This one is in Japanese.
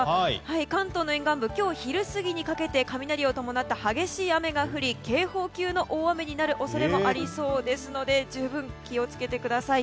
関東の沿岸部今日昼過ぎにかけて雷を伴った激しい雨が降り警報級の大雨になる恐れもありそうですので十分気を付けてください。